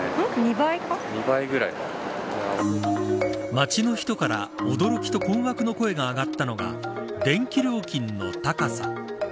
街の人から驚きと困惑の声が上がったのが電気料金の高さ。